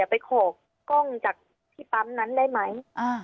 ไปขอกล้องจากที่ปั๊มนั้นได้ไหม